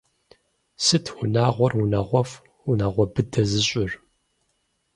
Сыт унагъуэр унагъуэфӏ, унагъуэ быдэ зыщӏыр?